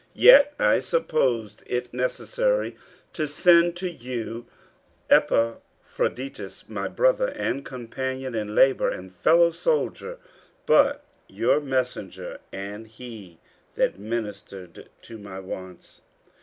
50:002:025 Yet I supposed it necessary to send to you Epaphroditus, my brother, and companion in labour, and fellowsoldier, but your messenger, and he that ministered to my wants.